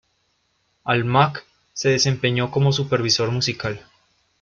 Al Mack se desempeñó como supervisor musical.